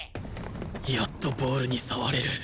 やっとボールに触れる。